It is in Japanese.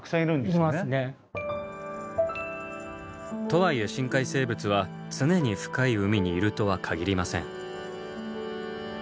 とはいえ深海生物は常に深い海にいるとは限りません。